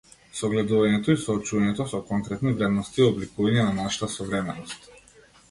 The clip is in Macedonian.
Согледувањето и соочувањето со конкретни вредности е обликување на нашата современост.